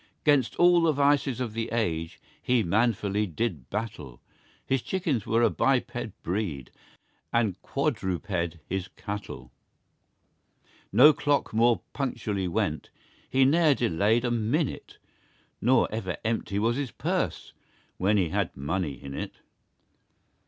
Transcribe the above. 'Gainst all the vices of the age He manfully did battle; His chickens were a biped breed, And quadruped his cattle. No clock more punctually went, He ne'er delayed a minute Nor ever empty was his purse, When he had money in it.